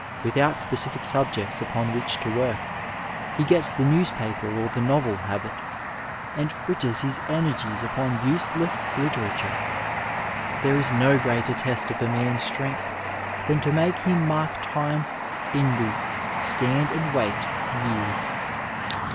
Without specific subjects upon which to work, he gets the newspaper or the novel habit, and fritters his energies upon useless literature. There is no greater test of a man's strength than to make him mark time in the *' stand and wait " years.